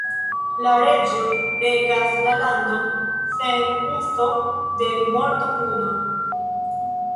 La reĝo regas la landon sen uzo de mortopuno.